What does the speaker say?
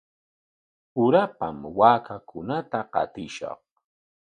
Urapam waakakunata qatishqa.